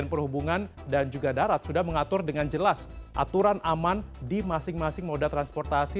dan perhubungan dan juga darat sudah mengatur dengan jelas aturan aman di masing masing moda transportasi